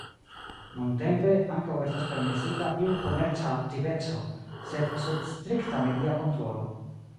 Nuntempe, ankaŭ estas permesita iu komerca aktiveco sed sub strikta media kontrolo.